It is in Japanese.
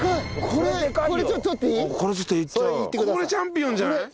これチャンピオンじゃない？